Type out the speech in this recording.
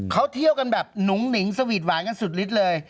เขาเที่ยวกันแบบหนุ่งหนิงสวีทหวานกันสุดฤทธิ์เลย